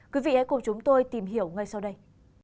quý vị hãy cùng chúng tôi tìm hiểu ngay sau đây